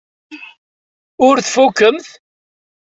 Ur twufqemt?